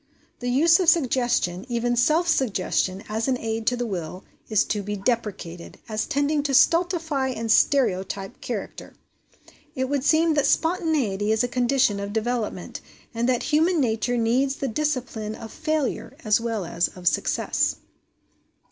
The use of suggestion even self suggestion as an aid to the will, is to be deprecated, as tending to stultify and stereotype character. It would seem that spontaneity is a condition of development, and that human nature needs the discipline of failure as well as of success.)